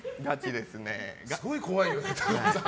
すごい怖いよね。